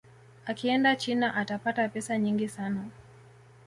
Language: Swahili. akienda china atapata pesa nyingi sana